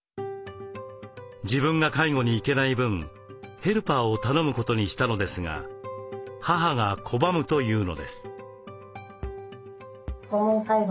自分が介護に行けない分ヘルパーを頼むことにしたのですが母が拒むというのです。